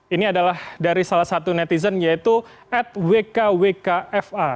ini adalah dari salah satu netizen yaitu atwkwkfa